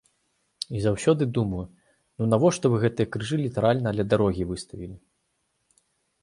І заўсёды думаю, ну навошта вы гэтыя крыжы літаральна ля дарогі выставілі?